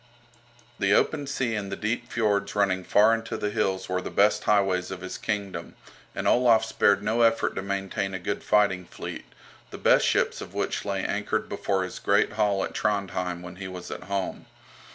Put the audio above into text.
The open sea and the deep fiords running far into the hills were the best highways of his kingdom, and Olaf spared no effort to maintain a good fighting fleet, the best ships of which lay anchored before his great hall at Trondhjem when he was at home.